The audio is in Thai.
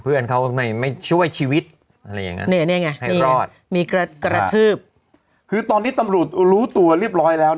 ฮ่าฮ่าฮ่าฮ่า